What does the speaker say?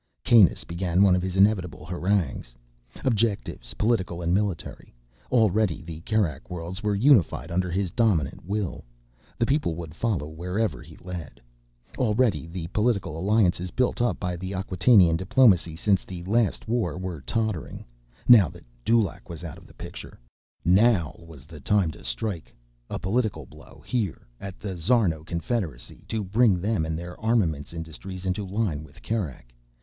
Kanus began one of his inevitable harangues. Objectives, political and military. Already the Kerak Worlds were unified under his dominant will. The people would follow wherever he led. Already the political alliances built up by Acquatainian diplomacy since the last war were tottering, now that Dulaq was out of the picture. Now was the time to strike. A political blow here, at the Szarno Confederacy, to bring them and their armaments industries into line with Kerak.